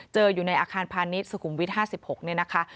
อยู่ในอาคารพาณิชย์สุขุมวิท๕๖เนี่ยนะคะ